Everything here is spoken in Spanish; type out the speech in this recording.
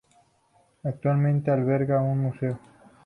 Actualmente alberga un museo.